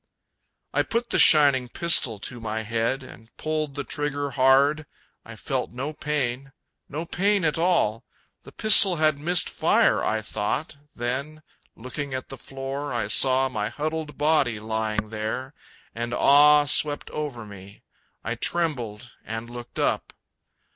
I put the shining pistol to my head And pulled the trigger hard I felt no pain, No pain at all; the pistol had missed fire I thought; then, looking at the floor, I saw My huddled body lying there and awe Swept over me. I trembled and looked up.